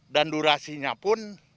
dan durasinya pun